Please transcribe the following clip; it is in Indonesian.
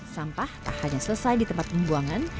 sampah tak hanya selesai di tempat pembuangan